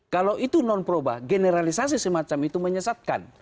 kalau itu non proba generalisasi semacam itu menyesatkan